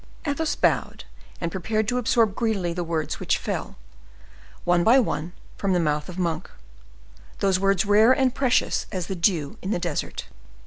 Athos bowed and prepared to absorb greedily the words which fell, one by one, from the mouth of Monk,—those words rare and precious as the dew in the desert.